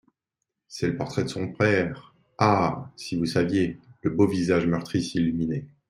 C'est le portrait de son père … Ah ! si vous saviez !…» Le beau visage meurtri s'illuminait.